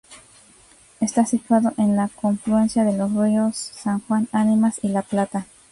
Está situado en la confluencia de los ríos San Juan, Animas y La Plata.